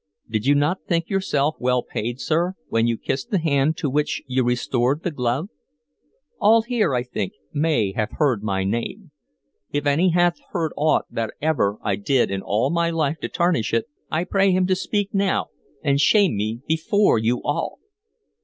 Did you not think yourself well paid, sir, when you kissed the hand to which you restored the glove? All here, I think, may have heard my name. If any hath heard aught that ever I did in all my life to tarnish it, I pray him to speak now and shame me before you all!"